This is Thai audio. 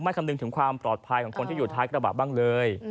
คำนึงถึงความปลอดภัยของคนที่อยู่ท้ายกระบะบ้างเลย